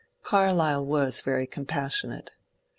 Carlyle was very compassionate.